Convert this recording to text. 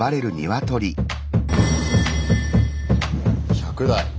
１００台。